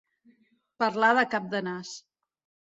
Parlar de cap de nas.